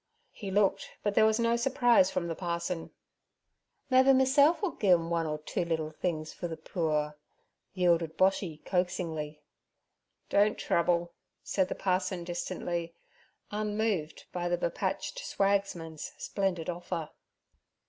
He looked, but there was no surprise from the parson. 'Mebbe me meself ull gi' 'em one or two little things for ther pooer' yielded Boshy coaxingly. 'Don't trouble' said the parson distantly, unmoved by the bepatched swagsman's splendid offer.